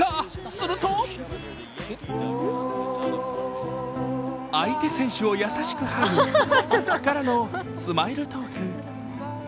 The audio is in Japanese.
すると相手選手を優しくハグからのスマイルトーク。